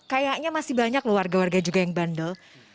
kayaknya masih banyak loh warga warga juga yang bandel